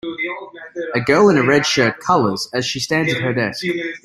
A girl in a red shirt colors as she stands at her desk.